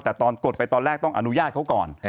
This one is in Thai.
แต่ตอนกดไปตอนแรกต้องอนุญาตเขาก่อน